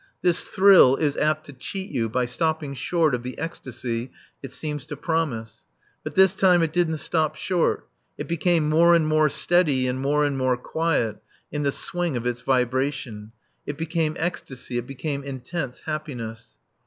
This thrill is apt to cheat you by stopping short of the ecstasy it seems to promise. But this time it didn't stop short; it became more and more steady and more and more quiet in the swing of its vibration; it became ecstasy; it became intense happiness.